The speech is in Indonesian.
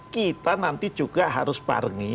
kita nanti juga harus barengi